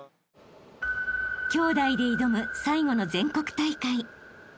［兄弟で挑む最後の全国大会］